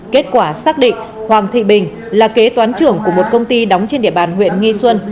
kết quả xác định hoàng thị bình là kế toán trưởng của một công ty đóng trên địa bàn huyện nghi xuân